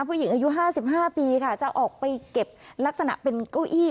ผู้หญิงอายุ๕๕ปีค่ะจะออกไปเก็บลักษณะเป็นเก้าอี้